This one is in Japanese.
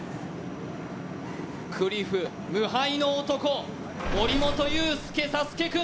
クリフ、無敗の男、森本裕介、サスケくん。